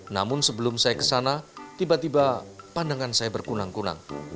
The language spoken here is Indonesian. namun sebelum saya kesana tiba tiba pandangan saya berkunang kunang